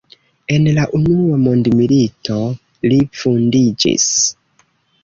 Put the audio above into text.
En la unua mondmilito li vundiĝis.